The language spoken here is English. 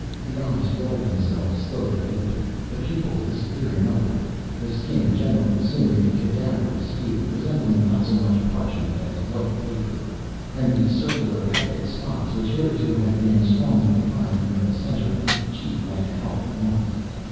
The eyes rolled themselves slowly open, the pupils disappearing upwardly; the skin generally assumed a cadaverous hue, resembling not so much parchment as white paper; and the circular hectic spots which, hitherto, had been strongly defined in the centre of each cheek, went out at once.